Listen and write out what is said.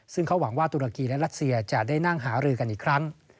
ซึ่งเขาหวังว่าตุรกีและรัสเซียจะได้นั่งหารือกันอีกครั้ง